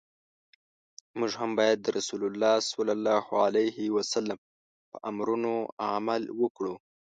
موږ هم باید د رسول الله ص په امرونو عمل وکړو.